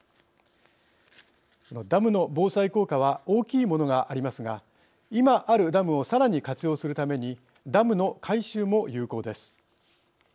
ダムの防災効果は大きいものがありますが今あるダムをさらに活用するためにダムの改修も有効です。